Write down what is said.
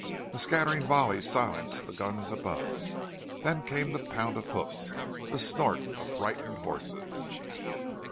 A scattering volley silenced the guns above. Then came the pound of hoofs, the snort of frightened horses.